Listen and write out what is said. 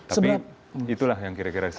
tapi itulah yang kira kira